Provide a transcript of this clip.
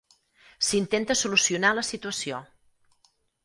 S'intenta solucionar la situació.